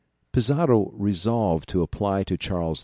] Pizarro resolved to apply to Charles V.